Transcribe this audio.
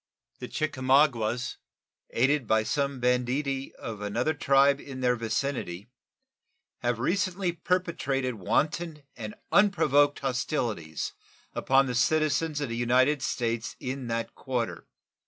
The Chickamaugas, aided by some banditti of another tribe in their vicinity, have recently perpetrated wanton and unprovoked hostilities upon the citizens of the United States in that quarter.